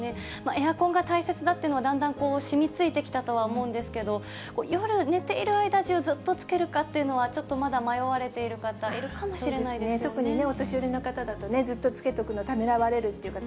エアコンが大切だっていうのはだんだんしみついてきたとは思うんですけれども、夜、寝ている間中ずっとつけるかっていうのは、ちょっとまだ迷われている方、いるかもしれないですよね。